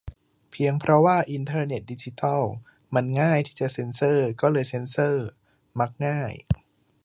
เพียงเพราะว่าอินเทอร์เน็ต-ดิจิทัล มัน "ง่าย" ที่จะเซ็นเซอร์ ก็เลยเซ็นเซอร์ ?"มักง่าย"